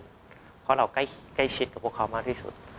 เพราะเราใกล้ชิดกับพวกเขามากที่สุด